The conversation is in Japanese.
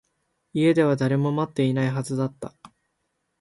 家では誰も待っていないはずだった